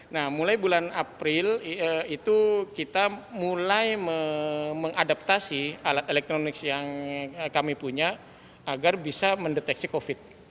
nah mulai bulan april itu kita mulai mengadaptasi alat elektronik yang kami punya agar bisa mendeteksi covid